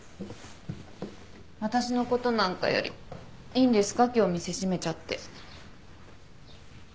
私のことなんかよりいいんですか今日店閉めちゃって。